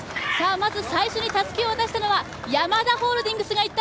まず最初にたすきを渡したのはヤマダホールディングスがいった。